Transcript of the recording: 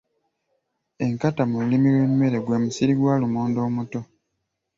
Enkata mu lulimi lw’emmere gwe musiri gwa lumonde omuto.